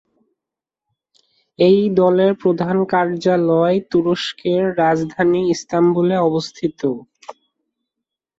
এই দলের প্রধান কার্যালয় তুরস্কের রাজধানী ইস্তাম্বুলে অবস্থিত।